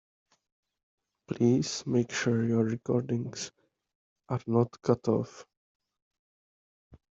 Please make sure your recordings are not cut off.